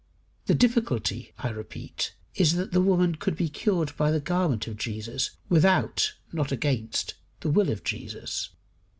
The difficulty, I repeat, is, that the woman could be cured by the garment of Jesus, without (not against) the will of Jesus.